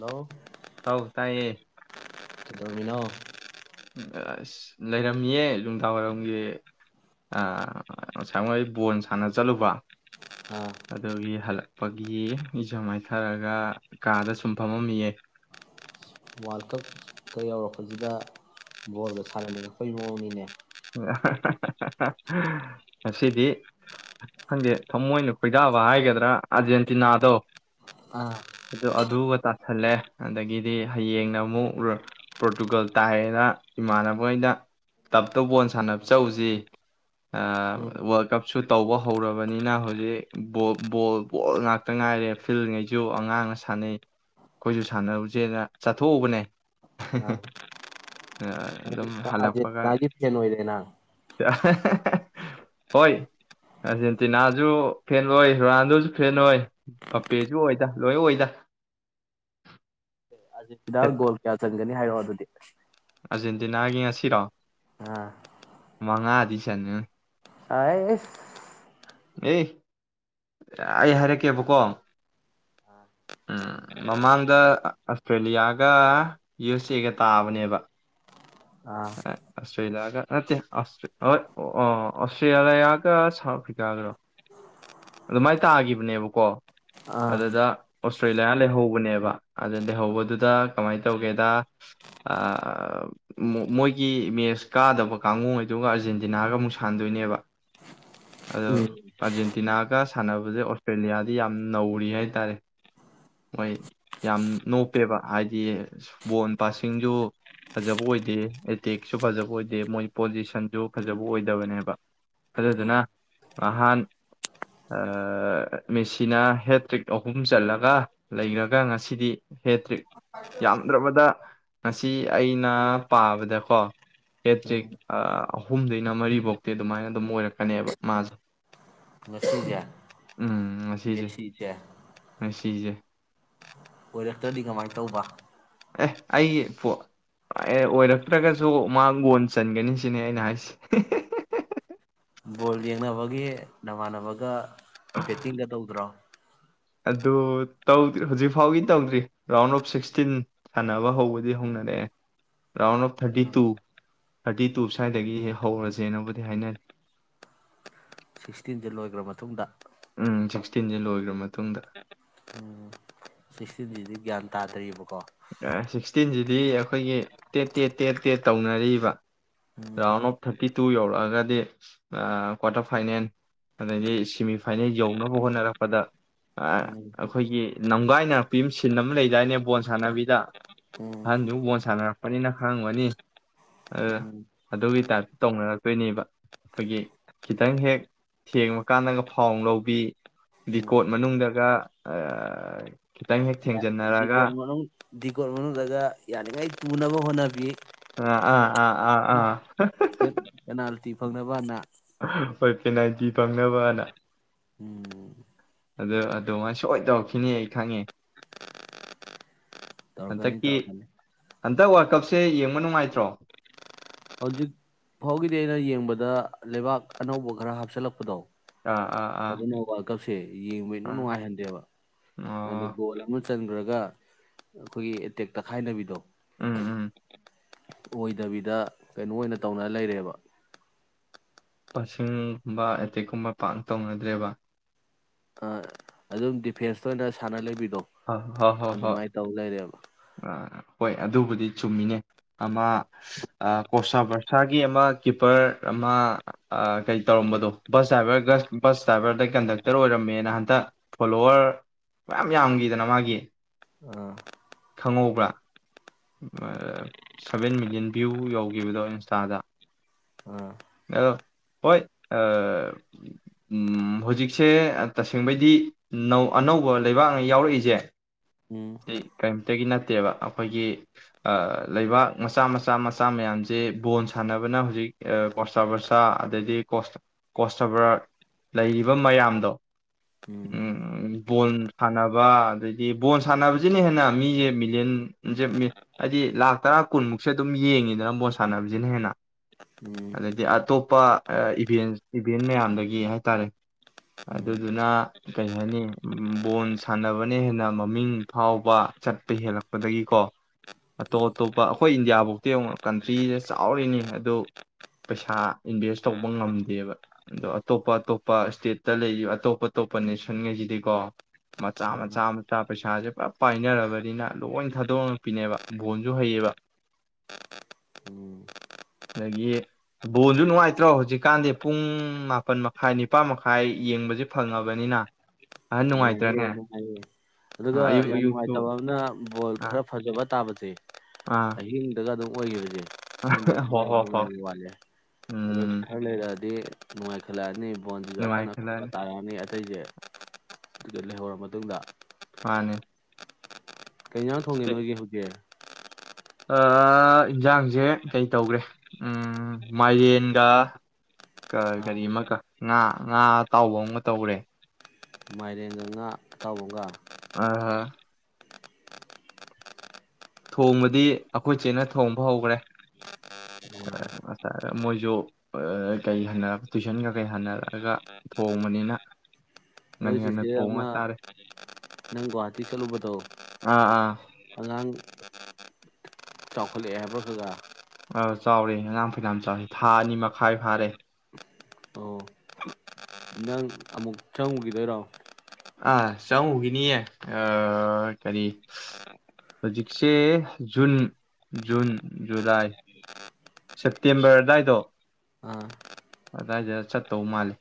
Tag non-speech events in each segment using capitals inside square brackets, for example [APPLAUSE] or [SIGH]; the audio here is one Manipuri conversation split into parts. ꯍꯂꯣ ꯍꯥꯎ ꯇꯥꯏꯌꯦ ꯃꯤꯅꯣ ꯑꯁ ꯂꯩꯔꯝꯃꯤꯌꯦ ꯅꯨꯡꯗꯥꯡ ꯋꯥꯏꯔꯝꯒꯤ ꯉꯁꯥꯏ ꯃꯣꯏ ꯕꯣꯟ ꯁꯥꯟꯅ ꯆꯠꯂꯨꯕ ꯑꯥ ꯑꯗꯨꯗꯒꯤ ꯍꯜꯂꯛ ꯂꯄꯒꯤ ꯏꯖꯝ ꯃꯥꯏꯊꯔꯒ ꯀꯥꯗ ꯁꯨꯝ ꯐꯝꯃꯝꯃꯤꯑ ꯋꯥꯔꯜ ꯀꯞꯇ ꯌꯧꯔꯛꯄꯁꯤꯗ ꯣꯠ ꯑꯁꯥ ꯂꯩ ꯃ ꯑꯩꯈꯣꯏ ꯉꯣꯡꯃꯤꯅꯦ ꯉꯁꯤꯗꯤ ꯈꯪꯗꯦ ꯊꯃꯣꯏꯅ ꯈꯣꯏꯗꯥꯕ ꯍꯥꯏꯒꯗ꯭ꯔꯥ ꯑꯥꯔꯖꯦꯟꯇꯤꯅꯥꯗꯣ ꯑꯥ ꯑꯗꯨꯗꯣ ꯑꯗꯨ ꯇꯥꯁꯜꯂꯦ ꯑꯗꯒꯤꯗꯤ ꯍꯌꯦꯡꯅ ꯑꯃꯨꯛ ꯄꯣꯔꯇꯨꯒꯜ ꯇꯥꯏꯌꯦꯅ ꯏꯃꯥꯟꯅꯕꯒꯩꯅ ꯇꯞ ꯇ ꯕꯣꯟ ꯁꯥꯟꯅꯕ ꯆꯧꯁꯤ ꯎꯝ ꯋꯥꯔꯜ ꯀꯞꯁꯨ ꯇꯧꯕ ꯍꯧꯔꯕꯅꯤꯅ ꯍꯧꯖꯤꯛ ꯕꯣ ꯕꯣꯜ ꯕꯣꯜ ꯉꯥꯛꯇ ꯉꯥꯏꯔꯦ ꯐꯤꯜꯉꯩꯁꯨ ꯑꯉꯥꯡꯅ ꯁꯥꯟꯅꯩ ꯑꯩꯈꯣꯏꯁꯨ ꯁꯥꯟꯅꯔꯨꯁꯦꯅ ꯆꯠꯊꯣꯛꯎꯕꯅꯦ ꯑꯥ ꯑꯗꯨꯝ ꯍꯜꯂꯛꯄꯒ ꯑꯥꯔꯖꯦꯟꯇꯤꯅꯥꯒꯤ ꯐꯦꯟ ꯑꯣꯏꯔꯦꯅ ꯍꯣꯏ ꯑꯔꯖꯦꯟꯇꯤꯅꯥꯁꯨ ꯐꯦꯟ ꯑꯣꯏ ꯔꯣꯅꯥꯜꯗꯣꯁꯨ ꯐꯦꯟ ꯑꯣꯏ ꯄꯄꯦꯁꯨ ꯑꯣꯏꯗ ꯂꯣꯏ ꯑꯣꯏꯗ ꯑꯔꯖꯦꯟꯇꯤꯅ ꯑꯦ, ꯒꯣꯜ ꯀꯌꯥ ꯆꯟꯈꯔꯒꯦ ꯈꯟꯒꯅꯤ ꯍꯥꯏꯔꯣ ꯑꯗꯨꯗꯤ ꯑꯥꯔꯖꯦꯟꯇꯤꯅꯥꯒꯤ ꯉꯁꯤꯔꯣ ꯑꯥ ꯃꯉꯥꯗꯤ ꯆꯟꯒꯅꯤ ꯑꯥꯏꯁꯁꯁ ꯑꯦ ꯑꯩ ꯍꯥꯏꯔꯛꯀꯦꯕꯀꯣ ꯃꯃꯥꯡꯗ ꯑꯁꯇ꯭ꯔꯦꯂꯤꯌꯥꯒ ꯌꯨ ꯑꯦꯁ ꯑꯦꯒ ꯇꯥꯕꯅꯦꯕ ꯑꯥ ꯑꯁꯇ꯭ꯔꯦꯂꯤꯌꯥꯒ ꯅꯠꯇꯦ ꯑꯣꯁꯇ꯭ꯔꯦꯂꯤꯌꯥꯒ ꯁꯥꯎꯠ ꯑꯐꯔꯤ ꯑꯗꯨꯃꯥꯏꯅ ꯇꯥꯈꯤꯕꯅꯦꯕꯀꯣ ꯑꯥ ꯑꯗꯨꯗ ꯑꯣꯁꯇ꯭ꯔꯦꯂꯤꯌꯥ ꯂꯩꯍꯧꯕꯅꯦꯕ ꯑꯗ ꯂꯩꯍꯧꯕꯗꯨꯗ ꯀꯃꯥꯏꯅ ꯇꯧꯒꯦꯗ ꯃꯣꯏꯒꯤ ꯃꯦꯁ ꯀꯥꯗꯕ ꯀꯥꯡꯉꯩꯗꯨꯒ ꯑꯥꯔꯖꯦꯟꯇꯤꯅꯥꯒ ꯑꯃꯨꯛ ꯁꯥꯟꯗꯣꯏꯅꯦꯕ ꯑꯗꯣ ꯎꯝ ꯑꯥꯔꯖꯦꯟꯇꯤꯅꯥꯒ ꯁꯥꯟꯅꯕꯁꯦ ꯑꯣꯁꯇ꯭ꯔꯦꯂꯤꯌꯥꯗꯤ ꯌꯥꯝ ꯅꯧꯔꯤ ꯍꯥꯏꯇꯥꯔꯦ ꯃꯣꯏ ꯌꯥꯝ ꯅꯣꯞꯄꯦꯕ ꯍꯥꯏꯗꯤ ꯕꯣꯟ ꯄꯁꯤꯡꯁꯨ ꯐꯖꯕ ꯑꯣꯏꯗꯦ ꯑꯦꯇꯦꯛꯁꯨ ꯐꯖꯕ ꯑꯣꯏꯗꯦ ꯃꯣꯏ ꯄꯣꯖꯤꯁꯟꯁꯨ ꯐꯖꯕ ꯑꯣꯏꯗꯕꯅꯦꯕ ꯑꯗꯨꯗꯨꯅ ꯎꯝ ꯅꯍꯥꯟ ꯃꯦꯁꯤꯅ ꯍꯦꯇ꯭ꯔꯤꯛ ꯑꯍꯨꯝ ꯆꯠꯂꯒ ꯂꯩꯈ꯭ꯔꯒ ꯉꯁꯤꯗꯤ ꯍꯦꯇ꯭ꯔꯤꯛ ꯌꯥꯝꯗ꯭ꯔꯕꯗ ꯉꯁꯤ ꯑꯩꯅ ꯄꯥꯕꯗꯀꯣ ꯍꯦꯇ꯭ꯔꯤꯛ ꯎꯝ ꯑꯍꯨꯝꯗꯩꯅ ꯃꯔꯤꯐꯧꯇꯤ ꯑꯗꯨꯃꯥꯏꯅ ꯑꯗꯨꯝ ꯑꯣꯏꯔꯛꯀꯅꯦꯕ ꯃꯥ ꯎꯝ ꯃꯦꯁꯤ ꯁꯦ ꯆꯤꯖꯦ ꯑꯣꯏꯔꯛꯇ꯭ꯔꯗꯤ ꯀꯃꯥꯏꯅ ꯇꯧꯕ ꯑꯦ ꯑꯩꯒꯤ ꯑꯣꯏꯔꯛꯇ꯭ꯔꯒꯁꯨ ꯃꯥꯒꯣꯟ ꯆꯟꯒꯅꯤ ꯁꯤꯅꯦ ꯑꯩꯅ ꯍꯥꯏꯁꯦ ꯕꯣꯜ ꯌꯦꯡꯅꯕꯒꯤ ꯅꯃꯥꯟꯅꯕꯒ ꯕꯦꯠꯇꯤꯡꯒ ꯇꯧꯗ꯭ꯔꯣ ꯑꯗꯨ ꯇꯧꯗ꯭ꯔꯤ ꯍꯧꯖꯤꯛꯐꯥꯎꯒꯤ ꯇꯧꯗ꯭ꯔꯤ ꯔꯥꯎꯟ ꯑꯣꯐ ꯁꯤꯛꯁꯇꯤꯟ ꯁꯥꯟꯅꯕ ꯍꯧꯕꯗꯤ ꯍꯧꯅꯔꯛꯑꯦ round of thirty two thirty two ꯁ꯭ꯋꯥꯏꯗꯒꯤ ꯍꯧꯔꯁꯦꯅꯕꯨꯗꯤ ꯍꯥꯏꯅꯔꯤ ꯁꯤꯛꯁꯇꯤꯟꯁꯦ ꯂꯣꯏꯈ꯭ꯔ ꯃꯇꯨꯡꯗ ꯎꯝ ꯁꯤꯛꯁꯇꯤꯟꯁꯦ ꯂꯣꯏꯈ꯭ꯔ ꯃꯇꯨꯡꯗ ꯎꯝ ꯁꯤꯛꯁꯇꯤꯟꯁꯤꯗꯤ ꯒ꯭ꯌꯥꯟ ꯇꯥꯗ꯭ꯔꯤꯕꯀꯣ ꯁꯤꯛꯁꯇꯤꯟꯁꯤꯗꯤ ꯑꯩꯈꯣꯏꯒꯤ ꯇꯦꯠ ꯇꯦꯠ ꯇꯦꯠ ꯇꯦꯠ ꯇꯧꯅꯔꯤꯕ ꯔꯥꯎꯟ ꯑꯣꯐ ꯊꯥꯔꯇꯤ ꯇꯨ ꯌꯧꯔꯛꯑꯒꯗꯤ ꯀ꯭ꯋꯥꯇꯔ ꯐꯥꯏꯅꯦꯜ ꯑꯗꯩꯗꯤ ꯁꯦꯃꯤꯐꯥꯏꯅꯦꯜ ꯌꯧꯅꯕ ꯍꯣꯠꯅꯔꯛꯄꯗ ꯎꯝ ꯑꯩꯈꯣꯏꯒꯤ ꯅꯝꯒꯥꯏꯅ ꯄꯤ ꯁꯤꯟ ꯑꯃ ꯂꯩꯗꯥꯏꯅꯦ ꯕꯣꯟ ꯁꯥꯟꯅꯕꯤꯗ ꯑꯍꯟꯗꯨ ꯕꯣꯟ ꯁꯥꯟꯅꯔꯛꯄꯅꯤꯅ ꯈꯪꯉꯝꯒꯅꯤ ꯎꯝ ꯑꯗꯨꯒꯤ ꯇꯥꯏꯞꯇ ꯇꯧꯅꯔꯛꯇꯣꯏꯅꯦꯕ ꯑꯩꯈꯣꯏꯒꯤ ꯈꯤꯇꯪ ꯍꯦꯛ ꯊꯦꯡꯕ ꯀꯥꯟꯗꯒ ꯐꯥꯎ ꯂꯧꯕꯤ ꯗꯤꯀꯣꯠ ꯃꯅꯨꯡꯗꯒ ꯈꯤꯇꯪ ꯍꯦꯛ ꯊꯦꯡ ꯌꯦꯟꯅꯔꯒ ꯗꯤꯀꯣꯗ ꯃꯅꯨꯡꯗꯒ ꯌꯥꯔꯤꯉꯩ ꯇꯨꯅꯕ ꯍꯣꯠꯅꯕꯤ ꯑ ꯑꯥ ꯑꯥ ꯑꯥ ꯑꯥ ꯄꯦꯅꯥꯜꯇꯤ ꯐꯪꯅꯕꯅ ꯍꯣꯏ ꯄꯦꯅꯥꯜꯇꯤ ꯐꯪꯅꯕꯅ ꯎꯝ ꯑꯗꯨ ꯑꯗꯨꯃꯥꯏꯅ ꯁꯣꯏ ꯇꯧꯔꯛꯈꯤꯅꯤ ꯑꯩ ꯈꯪꯉꯦ ꯇꯧꯔꯛꯀꯅꯤ ꯍꯟꯗꯛꯀꯤ ꯇꯧꯔꯛꯀꯅꯤ ꯍꯟꯇꯛ ꯋꯥꯔꯜ ꯀꯞꯁꯦ ꯌꯦꯡꯕ ꯅꯨꯡꯉꯥꯏꯇ꯭ꯔꯣ ꯍꯧꯖꯤꯛ ꯐꯥꯎꯒꯤꯗꯤ ꯑꯩꯅ ꯌꯦꯡꯕꯗ ꯂꯩꯕꯥꯛ ꯑꯅꯧꯕ ꯈꯔ ꯍꯥꯞꯆꯜꯂꯛꯄꯗꯣ ꯑꯥ ꯑꯥ ꯑꯗꯨꯅ ꯋꯥꯔꯜ ꯀꯞꯁꯦ ꯌꯦꯡꯕ ꯑꯥ ꯏꯅꯨꯡ ꯑꯥ ꯅꯨꯡꯉꯥꯏꯍꯟꯗꯦꯕ ꯍꯥꯏꯗꯤ ꯑꯣ ꯒꯣꯜ ꯑꯃ ꯆꯟ ꯆꯟꯒꯔꯒ ꯑꯩꯈꯣꯏꯒꯤ ꯑꯦꯇꯦꯛ ꯇꯛꯈꯥꯏꯅꯕꯤꯗꯣ [INAUDIBLE] ꯎꯝ ꯎꯝ ꯑꯣꯏꯗꯕꯤꯗ ꯀꯩꯅꯣ ꯑꯣꯏꯅ ꯇꯧꯅ ꯂꯩꯔꯦꯕ ꯄꯥꯁꯤꯡꯒꯨꯝꯕ ꯑꯦꯇꯦꯛꯀꯨꯝꯕ ꯄꯥꯛꯅ ꯇꯧꯅꯗ꯭ꯔꯦꯕ ꯑꯥ ꯑꯗꯨꯝ ꯗꯤꯐꯦꯟꯁꯇ ꯑꯣꯏꯅ ꯁꯥꯟꯅ ꯂꯩꯕꯤ ꯑ ꯍ ꯍ ꯍ ꯍꯣꯏ ꯑꯗꯨꯕꯨꯗꯤ ꯆꯨꯝꯃꯤꯅꯦ ꯑꯃ ꯀꯣꯁꯥ ꯕꯔꯁꯥꯒꯤ ꯑꯃ ꯀꯤꯞꯄꯔ ꯑꯃ ꯀꯩ ꯇꯧꯔꯝꯕꯗꯣ ꯕꯁ ꯗꯚꯔ ꯕꯁ ꯗ꯭ꯔꯥꯏꯚꯔꯗ ꯀꯟꯗꯛꯇꯔ ꯑꯣꯏꯔꯝꯃꯦꯅ ꯍꯟꯇꯛ ꯐꯣꯂꯣꯋꯔ ꯃꯌꯥꯝ ꯌꯥꯝꯈꯤꯗꯅ ꯃꯥꯒꯤ ꯑꯥ ꯈꯪꯍꯧꯕ꯭ꯔꯥ ꯁꯚꯦꯟ ꯃꯤꯂꯤꯌꯟ ꯚ꯭ꯌꯨ ꯌꯧꯈꯤꯕꯗꯣ ꯏꯟꯁꯇꯥꯗ ꯑꯥ ꯑꯗꯣ ꯍꯣꯏ ꯍꯧꯖꯤꯛꯁꯦ ꯇꯁꯦꯡꯕꯩꯗꯤ ꯑꯅꯧꯕ ꯂꯩꯕꯥꯛꯅ ꯌꯥꯎꯔꯛꯏꯁꯦ ꯎꯝ ꯀꯔꯤꯝꯇꯒꯤ ꯅꯠꯇꯦꯕ ꯑꯩꯈꯣꯏꯒꯤ ꯂꯩꯕꯥꯛ ꯃꯆꯥ ꯃꯆꯥ ꯃꯆꯥ ꯃꯌꯥꯝꯁꯦ ꯕꯣꯜ ꯁꯥꯟꯅꯕꯅ ꯍꯧꯖꯤꯛ ꯀꯣꯁꯇꯕꯔꯁꯥ ꯑꯗꯩꯗꯤ ꯀꯣꯁꯇꯕꯔ ꯂꯩꯔꯤꯕ ꯃꯌꯥꯝꯗꯣ ꯎꯝ ꯕꯣꯜ ꯁꯥꯟꯅꯕ ꯑꯗꯩꯗꯤ ꯕ ꯁꯥꯟꯅꯕꯁꯤꯅ ꯍꯦꯟꯅ ꯃꯤꯁꯦ ꯃꯤꯂꯤꯌꯟꯁꯦ ꯍꯥꯏꯗꯤ ꯂꯥꯛ ꯇꯔꯥ ꯀꯨꯟꯃꯨꯛꯁꯦ ꯑꯗꯨꯝ ꯌꯦꯡꯉꯤꯗꯅ ꯕꯣꯜ ꯁꯥꯟꯅꯕꯁꯤꯅ ꯍꯦꯟꯅ ꯎꯝ ꯑꯗꯩꯗꯤ ꯑꯇꯣꯞꯄ ꯏꯚꯦꯟ ꯏꯚꯦꯟ ꯃꯌꯥꯝꯗꯒꯤ ꯍꯥꯏꯇꯥꯔꯦ ꯎꯝ ꯑꯗꯨꯗꯨꯅ ꯀꯩ ꯍꯥꯏꯅꯤ ꯕꯣꯜ ꯁꯥꯟꯅꯕꯅ ꯍꯦꯟꯅ ꯃꯃꯤꯡ ꯐꯥꯎꯕ ꯆꯠꯄ ꯍꯦꯜꯂꯛꯄꯗꯒꯤꯀꯣ ꯑꯇꯣꯞ ꯑꯇꯣꯞꯄ ꯑꯩꯈꯣꯏ ꯏꯟꯗꯤꯌꯥꯐꯧꯗꯤꯤ ꯌꯦꯡꯉ ꯀꯟꯇ꯭ꯔꯤꯗꯦ ꯆꯥꯎꯔꯤꯅꯤ ꯑꯗꯨ ꯄꯩꯁꯥ ꯏꯟꯚꯦꯁ ꯇꯧꯕ ꯉꯝꯗꯦꯕ ꯑꯗꯣ ꯑꯇꯣꯞ ꯑꯇꯣꯞꯄ ꯏꯁꯇꯦꯠꯇ ꯂꯩꯔꯤꯕ ꯑꯇꯣꯞ ꯑꯇꯣꯞꯄ ꯅꯦꯁꯟꯈꯩꯁꯤꯗꯤꯀꯣ ꯃꯆꯥ ꯑꯥ ꯃꯆꯥ ꯃꯆꯥ ꯄꯩꯁꯥꯁꯦ ꯄꯨꯔꯞ ꯄꯥꯏꯅꯔꯕꯅꯤꯅ ꯂꯣꯏ ꯊꯥꯗꯣꯛꯉꯛꯄꯤꯅꯦꯕ ꯕꯣꯟꯁꯨ ꯍꯩꯌꯦꯕ ꯎꯝ ꯑꯗꯒꯤ ꯕꯣꯟꯁꯨ ꯅꯨꯡꯉꯥꯏꯇ꯭ꯔꯣ ꯍꯧꯖꯤꯛꯀꯥꯟꯗꯤ ꯄꯨꯡ ꯃꯥꯄꯜ ꯃꯈꯥꯏ ꯅꯤꯄꯥꯜ ꯃꯈꯥꯏ ꯌꯦꯡꯕꯁꯦ ꯐꯪꯉꯕꯅꯤꯅ ꯑꯍꯟ ꯅꯨꯡꯉꯥꯏꯌꯦ ꯅꯨꯡꯉꯥꯏꯇ꯭ꯔꯅꯦ ꯅꯨꯡꯉꯥꯏꯌꯦ ꯑꯗꯨ ꯑꯥ ꯑꯗꯨꯒ ꯑꯌꯨꯛ ꯌꯥꯝ ꯑꯌꯨꯛꯁꯨ ꯅꯨꯡꯉꯥꯏꯇꯕ ꯑꯃꯅ ꯣꯜ ꯑꯥ ꯈꯔ ꯐꯖꯕ ꯀ ꯇꯕꯁ ꯑꯥ ꯑꯍꯇꯒ ꯑꯗꯨ ꯑꯣꯏ ꯍꯧꯁꯦ ꯏꯁꯤꯡꯗꯤ ꯈꯔ ꯍꯣꯏ ꯍꯣꯏ ꯃ ꯍꯣꯏ ꯋꯥꯠꯂꯦ ꯑꯗꯣ ꯎꯝ ꯈꯔ ꯂꯩꯔꯛꯑꯗꯤ ꯅꯅꯨꯡꯉ ꯈꯦꯂꯅꯤ ꯕꯣꯟꯈ ꯅꯨꯡꯉꯥꯏꯈꯠꯂꯛꯑꯅꯤ ꯇꯔꯅꯤ ꯏꯁꯩꯁꯦ ꯑꯗꯨꯒꯀ ꯂꯩꯍꯧꯔꯕ ꯃꯇꯨꯡꯗ ꯃꯥꯅꯦ ꯀꯩꯅ ꯊꯣꯡꯉꯦ ꯅꯣꯏꯒꯤ ꯍꯧꯖꯤꯛ ꯏꯟꯁꯥꯡꯁꯦ ꯀꯩ ꯇꯧꯈ꯭ꯔꯦ ꯃꯥꯏꯔꯦꯟꯒ ꯀꯔꯤ ꯑꯃꯀ ꯉꯥ ꯉꯥ ꯑꯇꯥꯎꯕ ꯑꯃ ꯇꯧꯔꯦ ꯃꯥꯏꯔꯦꯟ ꯉ ꯉꯥ ꯇꯥꯎꯑꯒ ꯑ ꯍ ꯊꯣꯡꯕꯗꯤ ꯑꯩꯈꯣꯏꯆꯦꯠꯅ ꯊꯣꯡꯕ ꯍꯧꯈ꯭ꯔꯦ ꯑꯃꯒ ꯉꯁꯥꯏ ꯃꯣꯏꯁꯨ ꯀꯩ ꯍꯟꯅꯔꯛ ꯇꯨꯏꯁꯟꯒ ꯀꯩ ꯍꯅꯔꯛꯑꯒ ꯊꯣꯡꯕꯅꯤꯅ ꯉꯟ ꯅꯣꯏ ꯉꯟꯅ ꯁꯤꯁꯦ ꯊꯣꯡꯉ ꯑꯃ ꯆꯥꯔꯦ ꯅꯪ ꯒꯨꯍꯥꯇꯤ ꯆꯠꯂꯨꯕꯗꯣ ꯑꯥ ꯑꯥ ꯑꯉꯥꯡ ꯆꯥꯎꯈꯠꯂꯛꯑꯦ ꯍꯥꯏꯕ꯭ꯔꯣ ꯈꯖꯒ ꯆꯥꯎꯔꯦ ꯑꯉꯥꯡ ꯐꯩꯅꯥꯝ ꯆꯥꯎꯔꯤ ꯊꯥ ꯑꯅꯤ ꯃꯈꯥꯏ ꯐꯥꯔꯦ ꯑꯣ ꯅꯪ ꯑꯃꯨꯛ ꯆꯪꯉꯨꯈꯤꯗꯣꯏꯔꯣ ꯑꯥ ꯆꯪꯉꯨꯈꯤꯅꯤꯌꯦ ꯀꯔꯤ ꯍꯧꯖꯤꯛꯁꯦ ꯖꯨꯟ ꯖꯨꯟ ꯖꯨꯂꯥꯏ ꯁꯦꯞꯇꯦꯝꯕꯔ ꯑꯗꯨꯗꯥꯋꯥꯏꯗꯣ ꯑꯥ ꯑꯗꯨꯗꯥꯏꯗ ꯆꯠꯇꯧ ꯃꯥꯜꯂꯦ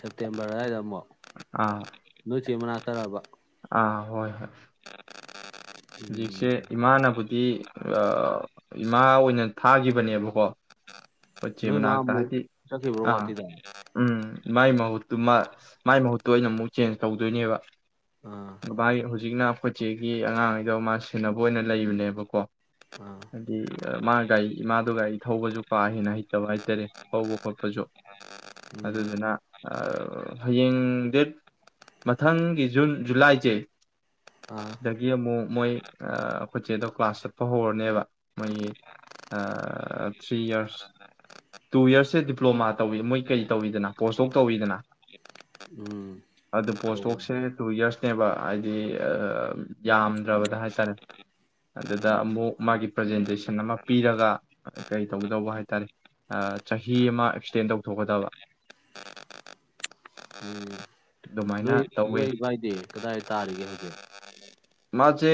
ꯁꯦꯞꯇꯦꯝꯕꯔ ꯑꯗꯨꯋꯥꯏꯗ ꯑꯃꯨꯛ ꯑꯥ ꯅꯨꯅꯨꯡꯆꯤ ꯃꯅꯥꯛ ꯇꯥꯕ ꯑ ꯍꯣꯏ ꯍꯣꯏ ꯎꯝ ꯍꯧꯖꯤꯛꯁꯦ ꯏꯃꯥꯅꯕꯨꯗꯤ ꯏꯃꯥ ꯑꯣꯏꯅ ꯊꯥꯈꯤꯕꯅꯦꯕꯀꯣ ꯄꯦ ꯅꯣꯏ ꯃꯥ ꯑꯃꯨꯛ ꯃꯅꯥꯥꯛꯇꯥꯗꯤ ꯆꯠꯈꯤꯕ꯭ꯔꯣ ꯑ ꯒꯨꯍꯥꯇꯤꯗ ꯎꯝ ꯃꯥꯏ ꯃꯍꯨꯠ ꯑꯗꯨ ꯃꯥꯏ ꯃꯍꯨꯠꯇ ꯑꯣꯏꯅ ꯑꯃꯨꯛ ꯆꯦꯟꯖ ꯇꯧꯗꯣꯏꯅꯦꯕ ꯑꯥ ꯃꯥꯒꯤ ꯍꯧꯖꯤꯛꯅ ꯑꯩꯈꯣꯏꯆꯦꯒꯤ ꯑꯉꯥꯡꯉꯩꯗꯣ ꯃꯥ ꯁꯦꯟꯅꯕ ꯑꯣꯏꯅ ꯂꯩꯕꯅꯦꯕꯀꯣ ꯑꯥ ꯍꯥꯏꯗꯤ ꯃꯥ ꯒꯥꯔꯤ ꯏꯃꯥꯗꯣ ꯒꯥꯔꯤ ꯊꯧꯕꯁꯨ ꯀꯥ ꯍꯦꯟꯅ ꯍꯩꯇꯕ ꯍꯥꯏꯇꯥꯔꯦ ꯍꯧꯕ ꯈꯣꯠꯄꯁꯨ ꯎꯝ ꯑꯗꯨꯗꯨꯅ ꯍꯌꯦꯡ ꯗꯦꯠ ꯃꯊꯪꯒꯤ ꯖꯨꯟ ꯖꯨꯂꯥꯏꯁꯦ ꯑꯥ ꯁꯤꯗꯒꯤ ꯑꯃꯨꯛ ꯃꯣꯏ ꯈꯨꯁꯦꯗꯣ ꯀ꯭ꯂꯥꯁ ꯆꯠꯄ ꯍꯧꯔꯅꯦꯕ ꯃꯣꯏꯒꯤ ꯊ꯭ꯔꯤ ꯏꯔꯁ ꯇꯨ ꯌꯔꯁꯁꯦ ꯗꯤꯄ꯭ꯂꯣꯃꯥ ꯇꯧꯋꯤ ꯃꯣꯏ ꯀꯔꯤ ꯇꯧꯋꯤꯗꯅ ꯄꯣꯁꯇꯣꯛ ꯇꯧꯋꯤꯗꯅ ꯎꯝ ꯑꯗꯨ ꯇꯧꯕꯅꯤ ꯄꯣꯁꯇꯣꯛꯁꯦ ꯇꯨ ꯌꯔꯁꯅꯦꯕ ꯍꯥꯏꯗꯤ ꯌꯥꯝꯗ꯭ꯔꯕꯗ ꯍꯥꯏ ꯇꯔꯦ ꯑꯗꯨꯗ ꯑꯃꯨꯛ ꯃꯥꯒꯤ ꯄ꯭ꯔꯖꯦꯟꯇꯦꯁꯟ ꯑꯃ ꯄꯤꯔꯒ ꯀꯩ ꯇꯧꯒꯗꯧꯕ ꯍꯥꯏꯇꯥꯔꯦ ꯆꯍꯤ ꯑꯃ ꯑꯦꯛꯁꯇꯦꯟ ꯇꯧꯊꯣꯛꯀꯗꯕ ꯑꯗꯨꯃꯥꯏꯅ ꯇꯧꯋꯦ ꯂꯕꯥꯏꯗꯤꯦ ꯀꯗꯥꯏ ꯇꯥꯔꯤꯒꯦ ꯍꯧꯖꯤꯛ ꯃꯥꯁꯦ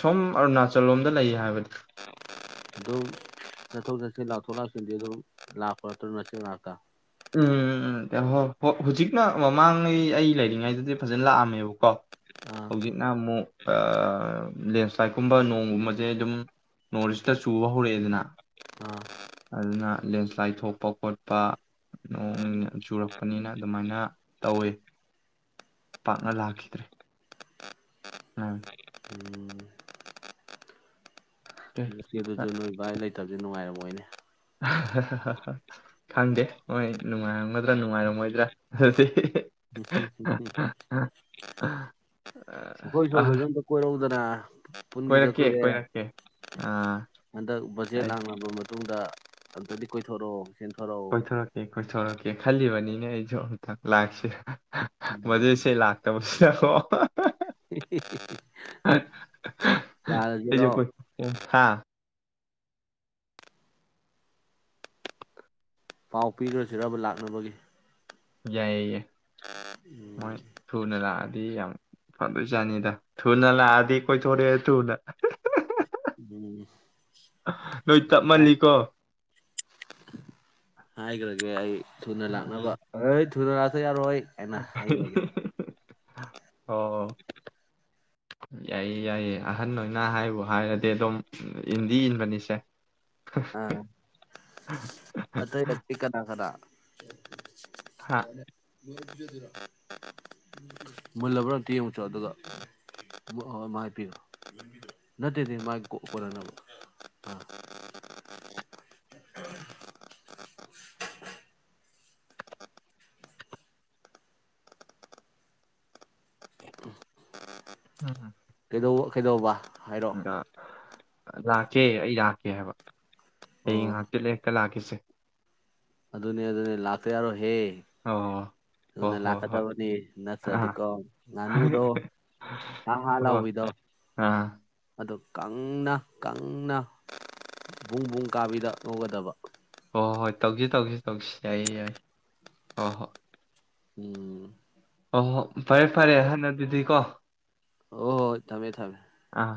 ꯁꯣꯝ ꯑꯔꯨꯅꯥꯆꯜ ꯂꯣꯝꯗ ꯂꯩꯌꯦ ꯍꯥꯏꯕꯅꯤ ꯑꯗꯨꯝ ꯆꯠꯊꯣꯛ ꯆꯠꯁꯤꯟ ꯂꯥꯎꯊꯣꯛ ꯂꯥꯎꯁꯤꯟꯗꯤ ꯑꯗꯨꯝ ꯂꯥꯛꯄ ꯑꯗꯨꯁꯤ ꯉꯥꯛꯇ ꯎꯝ ꯎ ꯍꯣꯏ ꯍꯣꯏ ꯍꯧꯖꯤꯛꯅ ꯃꯃꯥꯡꯉꯩ ꯑꯩ ꯂꯩꯔꯤꯉꯩꯗꯗꯤ ꯐꯖꯅ ꯂꯥꯛꯑꯝꯃꯦꯕꯀꯣ ꯑꯥ ꯍꯧꯖꯤꯛꯅ ꯑꯃꯨꯛ ꯂꯦꯟꯁ꯭ꯂꯥꯏꯠꯀꯨꯝꯕ ꯅꯣꯡꯒꯨꯝꯕꯁꯦ ꯑꯗꯨꯝ ꯅꯣꯔꯁꯤꯗ ꯆꯨꯕ ꯍꯧꯔꯛꯑꯦꯗꯅ ꯑꯥ ꯑꯗꯨꯅ ꯂꯦꯟꯁ꯭ꯂꯥꯏꯠ ꯊꯣꯛꯄ ꯈꯣꯠꯄ ꯅꯣꯡ ꯆꯨꯔꯛꯄꯅꯤꯅ ꯑꯗꯨꯃꯥꯏꯅ ꯇꯧꯋꯤ ꯄꯥꯛꯅ ꯂꯥꯛꯈꯤꯗ꯭ꯔꯦ ꯎꯝ ꯎꯝ ꯁꯨ ꯅꯣꯏꯥꯏ ꯂꯩ ꯐꯠꯇꯕꯁꯨ ꯅꯨꯡꯉꯥꯏꯔꯕꯣꯏꯅꯤ ꯈꯪꯗꯦ ꯍꯣꯏ ꯅꯨꯡꯉꯥꯏꯔꯝꯒꯗ꯭ꯔꯥ ꯅꯨꯡꯉꯥꯏꯔꯝꯃꯣꯏꯗ꯭ꯔꯥ ꯑꯗꯨꯗꯤ ꯎꯝ ꯑꯩꯈꯣꯏ ꯑ ꯁꯣꯏꯕꯁꯨ ꯑꯝꯇ ꯀꯣꯏꯔꯧꯗꯅ ꯄꯨꯟꯒꯤꯗ ꯀꯣꯏꯔꯛꯀꯦ ꯀꯨꯏꯔꯑꯦ ꯀꯣꯏꯔꯛꯀꯦ ꯑꯥ ꯎ ꯍꯟꯗꯛ ꯕꯖꯦꯠ ꯑꯩ ꯂꯥꯡꯅꯕ ꯃꯇꯨꯡꯗ ꯑꯝꯇꯗꯤ ꯀꯣꯏꯊꯣꯔꯛꯑꯣ ꯆꯦꯟꯊꯣꯔꯛꯑꯣ ꯀꯣꯏꯊꯣꯔꯛꯀꯦ ꯈꯣꯏꯊꯣꯔꯛꯀꯦ ꯈꯜꯂꯤꯕꯅꯤꯅꯦ ꯑꯩꯁꯨ ꯑꯃꯨꯇꯪ ꯂꯥꯛꯁ ꯎꯝ ꯃꯗꯨꯏꯁꯦ ꯂꯥꯛꯇꯕꯁꯤꯗꯀꯣ [UNINTELLIGIBLE] ꯑ ꯂꯔꯖꯔꯣ ꯍꯥꯥ ꯄꯥꯎ ꯄꯤꯈ꯭ꯔ ꯆꯔꯕ ꯂꯥꯛꯅꯕꯒꯤ ꯌꯥꯏꯌꯦꯌꯦ ꯃꯣꯏ ꯊꯨꯅ ꯂꯥꯛꯑꯗꯤ ꯌꯥꯝ ꯐꯗꯣꯏ ꯆꯥꯅꯤꯗ ꯊꯨꯅ ꯂꯥꯛꯑꯗꯤ ꯀꯣꯏꯊꯣꯔꯑꯦ ꯊꯨꯅ ꯎꯝ ꯅꯣꯏ ꯇꯞꯃꯜꯂꯤꯀꯣ ꯍꯥꯏꯈ꯭ꯔꯒꯦ ꯑꯩ ꯊꯨꯅ ꯎꯝ ꯂꯥꯛꯅꯕ ꯁꯨꯔ ꯌꯥꯔ ꯑꯣꯏꯣꯏ ꯀꯅ ꯍꯥꯏꯕꯒꯦ ꯑꯣ ꯌꯥꯏꯌꯦ ꯌꯥꯏꯌꯦ ꯑꯍꯟ ꯑꯣꯏꯅ ꯍꯥꯏꯕꯨ ꯍꯥꯏꯔꯗꯤ ꯑꯗꯨꯝ ꯏꯟꯗꯤ ꯏꯟꯕꯅꯤꯁꯦ ꯑꯥ ꯑꯇꯩ ꯀꯅꯥ ꯀꯅꯥ ꯍꯥꯥ ꯃꯨꯜꯂꯕ꯭ꯔꯥ ꯑꯝꯇ ꯌꯦꯡꯉꯁꯨꯣ ꯑꯗꯨꯒ ꯍ ꯃꯥ ꯍꯥꯏꯄꯤꯔꯣ ꯅꯠꯇꯦꯗꯤ ꯃꯥꯒꯤ ꯀꯣꯟꯅꯅꯕ ꯑꯥ ꯍ ꯀꯩꯗꯧꯕ ꯀꯩꯗꯧꯕ ꯍꯥꯏꯔꯛꯑꯣ ꯑ ꯂꯥꯛꯀꯦ ꯑꯩ ꯂꯥꯛꯀꯦ ꯍꯥꯏꯕ ꯍꯌꯦꯡ ꯑꯣ ꯉꯥꯛꯇꯤ ꯂꯀ ꯂꯥꯛꯈꯤꯁꯦ ꯑꯗꯨꯅꯦ ꯑꯗꯨꯅꯦ ꯂꯥꯛꯄ ꯌꯥꯔꯣꯍꯦ ꯑꯣ ꯍꯣꯏ ꯊꯨꯅ ꯍꯣꯏ ꯍꯣꯏ ꯂꯥꯛꯀꯗꯕꯅꯤ ꯑꯥ ꯅꯠꯇ꯭ꯔꯗꯤꯀꯣ ꯉꯥꯅꯨꯗꯣ ꯍꯥ ꯍꯥ ꯍꯣꯏ ꯂꯧꯥꯎꯏꯤꯗꯣ ꯑꯥ ꯑꯗꯨ ꯀꯪꯅ ꯀꯪꯅ ꯄꯕꯨꯡꯕꯨꯡ ꯀꯥꯕꯤꯗ ꯉꯧꯒꯗꯕ ꯍꯣꯏ ꯍꯣꯏ ꯍꯣꯏ ꯇꯧꯁꯤ ꯇꯧꯁꯤ ꯇꯧꯁꯤ ꯌꯥꯏ ꯌꯥꯏ ꯍꯣꯏ ꯍꯣꯏ ꯎꯝ ꯑꯣ ꯍꯣ ꯐꯔꯦ ꯍꯣꯏ ꯐꯔꯦ ꯍꯥꯟꯅ ꯑꯗꯨꯗꯤꯀꯣ ꯍꯣꯏ ꯊꯝꯃꯦ ꯊꯝꯃꯦ ꯑꯥ